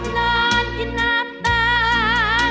นอนกินน้ำตา